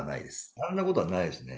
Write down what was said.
あんなことはないですね。